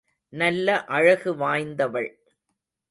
நல்ல அழகு வாய்ந்தவள்.